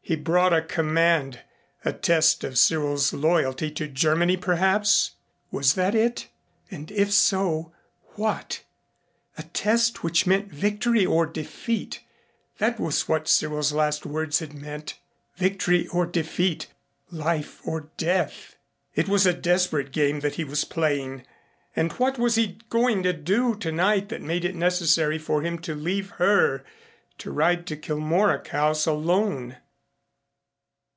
He brought a command a test of Cyril's loyalty to Germany perhaps? Was that it? And if so, what? A test which meant victory or defeat that was what Cyril's last words had meant. Victory or defeat life or death. It was a desperate game that he was playing. And what was he going to do tonight that made it necessary for him to leave her to ride to Kilmorack House alone?